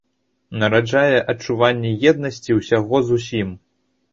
Нараджае адчуванне еднасці ўсяго з усім.